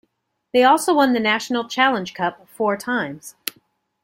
They also won the National Challenge Cup four times.